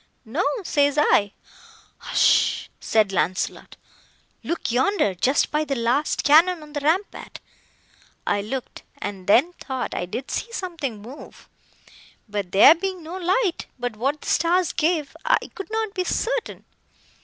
No, says I. Hush! said Launcelot,—look yonder—just by the last cannon on the rampart! I looked, and then thought I did see something move; but there being no light, but what the stars gave, I could not be certain.